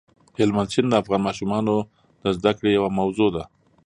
هلمند سیند د افغان ماشومانو د زده کړې یوه موضوع ده.